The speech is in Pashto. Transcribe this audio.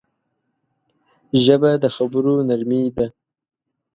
ژبه د خبرو نرمي ده